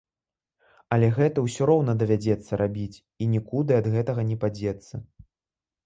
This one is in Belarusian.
Але гэта ўсё роўна давядзецца рабіць, і нікуды ад гэтага не падзецца.